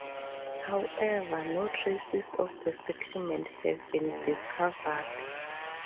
However, no traces of the settlement have been discovered.